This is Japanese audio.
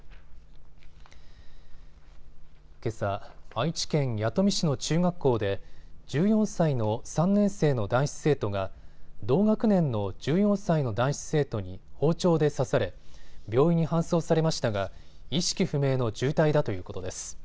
けさ、愛知県弥富市の中学校で１４歳の３年生の男子生徒が同学年の１４歳の男子生徒に包丁で刺され病院に搬送されましたが意識不明の重体だということです。